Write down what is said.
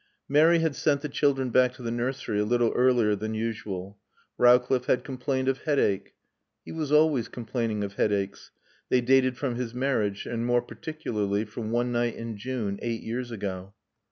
Mary had sent the children back to the nursery a little earlier than usual. Rowcliffe had complained of headache. He was always complaining of headaches. They dated from his marriage, and more particularly from one night in June eight years ago.